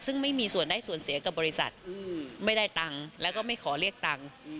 ซึ่งไม่มีส่วนได้ส่วนเสียกับบริษัทไม่ได้ตังค์แล้วก็ไม่ขอเรียกตังค์